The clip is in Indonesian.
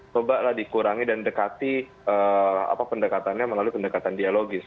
coba lah dikurangi dan dekati pendekatannya melalui pendekatan dialogis